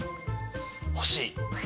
欲しい。